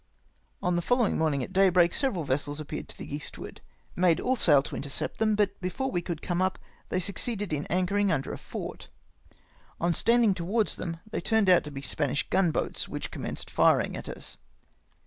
" On the following morning at daybreak, several vessels appeared to the eastward. Made all sail to intercept them, but before we could come up, they succeeded in anchoring under a fort. On standing towards them, they turned out to be Spanish gun boats, which commenced firing at us.